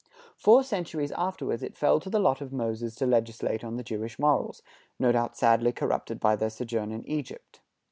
Four centuries afterward it fell to the lot of Moses to legislate on the Jewish morals, no doubt sadly corrupted by their sojourn in Egypt.